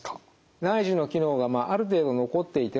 内耳の機能がある程度残っていてもですね